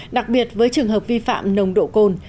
đặc biệt với trường hợp vi phạm nồng độ cồn